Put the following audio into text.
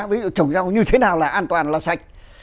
ví dụ trồng rau như thế nào là an toàn là sạch